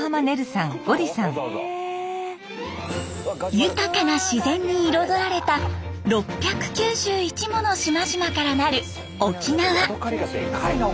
豊かな自然に彩られた６９１もの島々からなる沖縄。